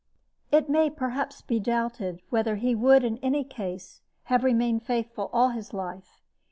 It may perhaps be doubted whether he would in any case have remained faithful all his life.